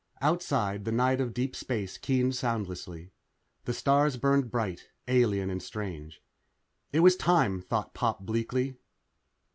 Outside, the night of deep space keened soundlessly. The stars burned bright, alien and strange. It was time, thought Pop bleakly.